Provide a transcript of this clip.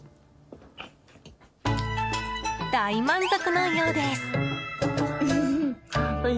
大満足のようです。